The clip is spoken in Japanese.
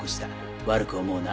悪く思うな。